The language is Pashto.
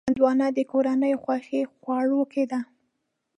هندوانه د کورنیو خوښې خوړو کې ده.